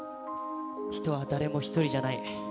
人は誰も一人じゃない。